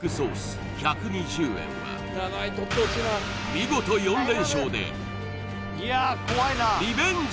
見事４連勝でリベンジ